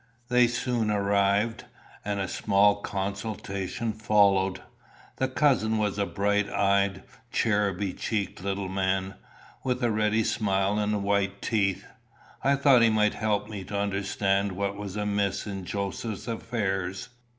They soon arrived, and a small consultation followed. The cousin was a bright eyed, cheruby cheeked little man, with a ready smile and white teeth: I thought he might help me to understand what was amiss in Joseph's affairs.